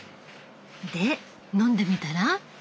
で飲んでみたら？